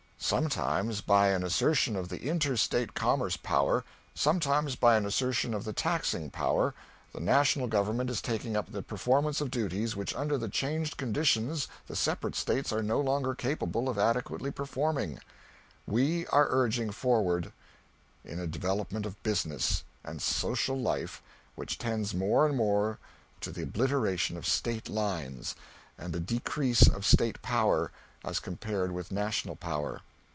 "Sometimes by an assertion of the inter State commerce power, sometimes by an assertion of the taxing power, the national government is taking up the performance of duties which under the changed conditions the separate States are no longer capable of adequately performing." "We are urging forward in a development of business and social life which tends more and more to the obliteration of State lines and the decrease of State power as compared with national power."